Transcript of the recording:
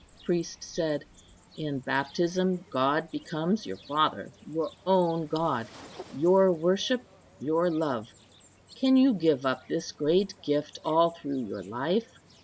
The priest said, "In baptism God becomes your Father; your own God; your worship; your love—can you give up this great gift all through your life?